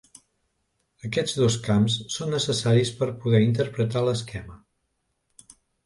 Aquests dos camps són necessaris per a poder interpretar l'esquema.